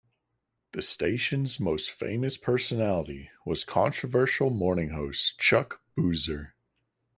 The station's most famous personality was controversial morning host Chuck Boozer.